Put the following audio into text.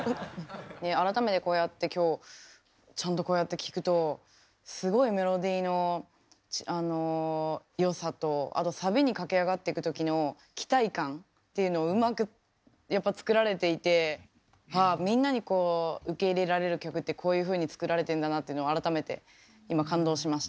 改めてこうやって今日ちゃんとこうやって聴くとすごいメロディーの良さとあとサビに駆け上がってく時の期待感っていうのをうまくやっぱ作られていてああみんなにこう受け入れられる曲ってこういうふうに作られてんだなっていうのを改めて今感動しました。